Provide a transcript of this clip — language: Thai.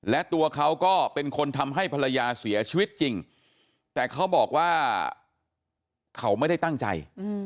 และตัวเขาก็เป็นคนทำให้ภรรยาเสียชีวิตจริงแต่เขาบอกว่าเขาไม่ได้ตั้งใจ